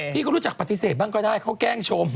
พี่ก็รู้จักปฏิเสธบ้างก็ได้เขาแกล้งชม